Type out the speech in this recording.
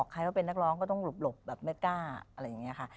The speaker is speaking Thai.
ใครก็เป็นนักร้องก็ต้องหลบแบบไม่กล้าอะไรอย่างนี้ค่ะ